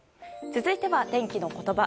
続いては、天気のことば。